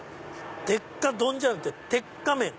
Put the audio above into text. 鉄火丼じゃなくて鉄火麺。